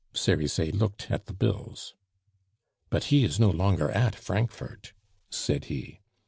Cerizet looked at the bills. "But he is no longer at Frankfort," said he.